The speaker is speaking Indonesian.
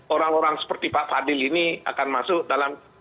orang orang seperti pak fadil ini akan masuk dalam